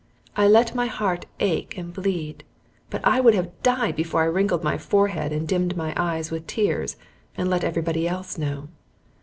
I let my heart ache and bleed, but I would have died before I wrinkled my forehead and dimmed my eyes with tears and let everybody else know.